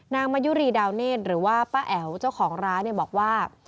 มายุรีดาวเนธหรือว่าป้าแอ๋วเจ้าของร้านเนี่ยบอกว่า